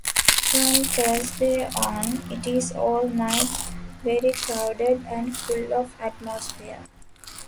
From Thursday on, it is all night very crowded and full of atmosphere.